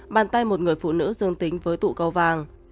bàn tay một người phụ nữ dương tính với tụ cầu vàng